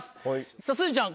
さぁすずちゃん